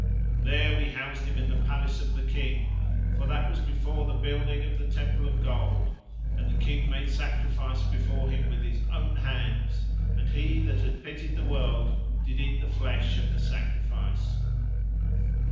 There we housed him in the palace of the King, for that was before the building of the temple of gold, and the King made sacrifice before him with his own hands, and he that had pitied the world did eat the flesh of the sacrifice.